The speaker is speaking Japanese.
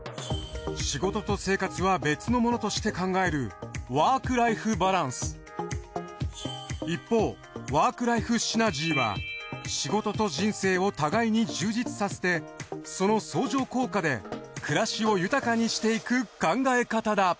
仕事と生活は別のものとして考える一方ワークライフシナジーは仕事と人生を互いに充実させてその相乗効果で暮らしを豊かにしていく考え方だ。